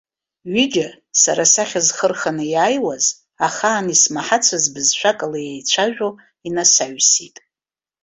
Ҩыџьа, сара сахь зхы рханы иааиуаз, ахаан исмаҳацыз бызшәак ала еицәажәо, инасаҩсит.